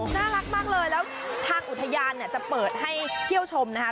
น่ารักมากเลยแล้วทางอุทยานเนี่ยจะเปิดให้เที่ยวชมนะคะ